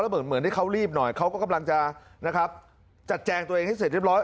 แล้วเหมือนเขารีบหน่อยเขาก็กำลังจะจัดแจงตัวเองให้เสร็จเรียบร้อย